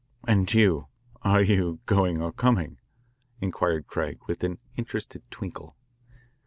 "And you are you going or coming?" inquired Craig with an interested twinkle.